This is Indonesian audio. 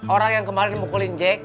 orang yang kemarin mukulin jack